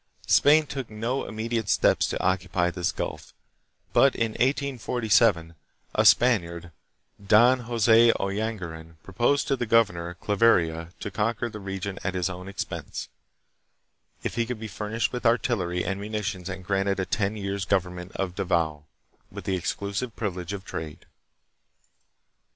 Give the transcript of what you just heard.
Spain took no imme diate steps to occupy this gulf, but in 1847 a Spaniard, Don Jose Oyanguran, proposed to the governor, Claveria, to conquer the region at his own expense, if he could be furnished with artillery and munitions and granted a ten years' government of Davao, with the exclusive privilege of trade.